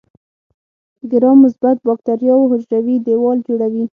د ګرام مثبت باکتریاوو حجروي دیوال جوړوي.